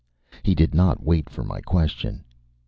He did not wait for my question.